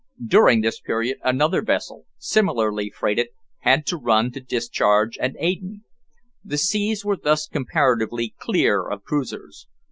During this period another vessel, similarly freighted, had to run to discharge at Aden. The seas were thus comparatively clear of cruisers.